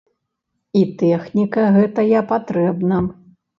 І тэхніка гэтая патрэбна.